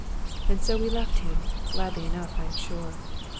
And so we left him, gladly enough I am sure.